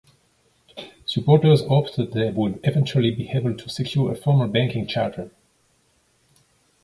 Supporters hoped that they would eventually be able to secure a formal banking charter.